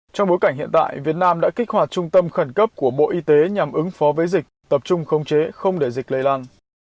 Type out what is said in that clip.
trong bối cảnh hiện tại việt nam đã kích hoạt trung tâm khẩn cấp của bộ y tế nhằm ứng phó với dịch tập trung khống chế không để dịch lây lan